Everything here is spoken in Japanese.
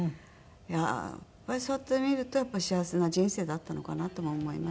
やっぱりそうやって見ると幸せな人生だったのかなとも思いますし。